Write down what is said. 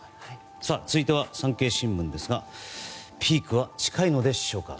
続いては産経新聞ですがピークは近いのでしょうか。